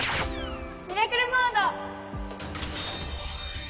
ミラクルモード！